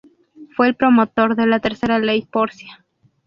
Fue el promotor de la tercera ley Porcia.